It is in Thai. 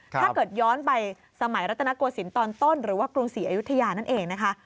ถ้าเกิดย้อนไปสมัยรัตนโกศิลป์ตอนต้นหรือว่ากรุงศรีอยุธยานั่นเองนะคะ